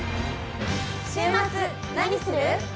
週末何する？